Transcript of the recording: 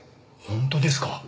本当ですか？